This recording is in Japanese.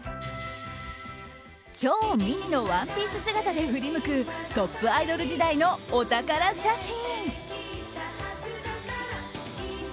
超ミニのワンピース姿で振り向くトップアイドル時代のお宝写真。